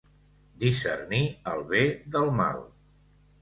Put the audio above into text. Discernir el bé del mal.